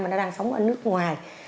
mà nó đang sống ở nước ngoài